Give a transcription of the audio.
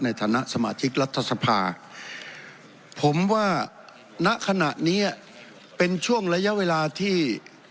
ในฐานะสมาชิกรัฐสภาผมว่าณขณะนี้เป็นช่วงระยะเวลาที่